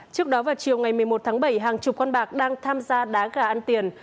trước đó vào chiều ngày một mươi một tháng bảy hàng chục con bạc đang tham gia đá gà ăn tiền